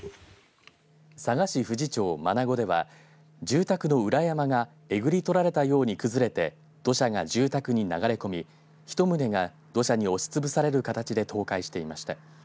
佐賀市富士町麻那古では住宅の裏山がえぐり取られるように崩れて土砂が住宅に流れ込み１棟が土砂に押しつぶされる形で倒壊していました。